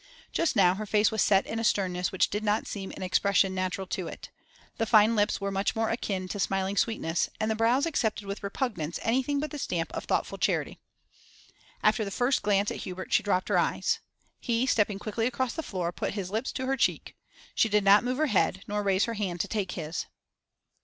Just now her face was set in a sternness which did not seem an expression natural to it; the fine lips were much more akin to smiling sweetness, and the brows accepted with repugnance anything but the stamp of thoughtful charity. After the first glance at Hubert she dropped her eyes. He, stepping quickly across the floor, put his lips to her cheek; she did not move her head, nor raise her hand to take his.